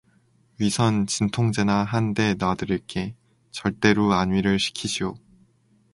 위선 진통제나 한 대 놔드릴게 절대루 안위를 시키시오.